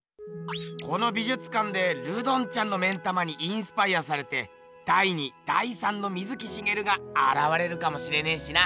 この美術館でルドンちゃんの目ん玉にインスパイアされて第２第３の水木しげるがあらわれるかもしれねえしな。